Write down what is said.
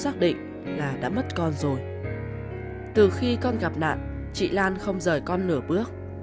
từ khi con gặp nạn chị lan không rời con nửa bước